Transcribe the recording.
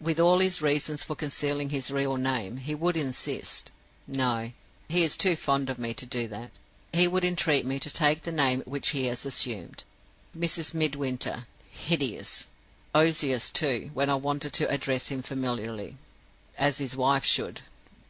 With all his reasons for concealing his real name, he would insist no, he is too fond of me to do that he would entreat me to take the name which he has assumed. Mrs. Midwinter. Hideous! Ozias, too, when I wanted to address him familiarly, as his wife should.